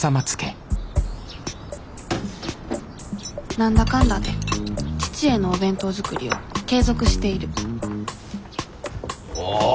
何だかんだで父へのお弁当作りを継続しているおっ